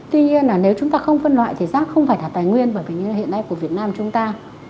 tuy nhiên là nếu chúng ta không phân loại thì rác không phải là tài nguyên bởi vì như hiện nay của việt nam chúng ta